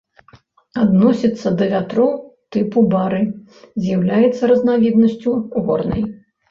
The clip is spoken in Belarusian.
Адносіцца да вятроў тыпу бары, з'яўляецца разнавіднасцю горнай.